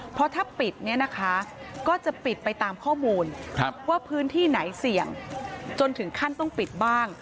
เพราะถ้าปิดเนี่ยนะคะก็จะปิดไปตามข้อมูลว่าพื้นที่ไหนเสี่ยงจนถึงขั้นต้องปิดบ้าง